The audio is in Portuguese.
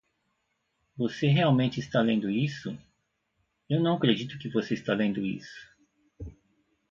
você realmente está lendo isso? eu não acredito que você está lendo isso!